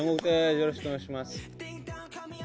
よろしくお願いします。